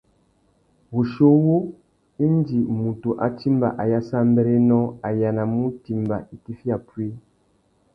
Wuchiuwú, indi mutu a timba ayássámbérénô, a yānamú timba itifiya puï.